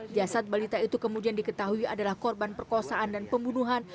jasad balita itu kemudian diketahui adalah korban perkosaan dan pembunuhan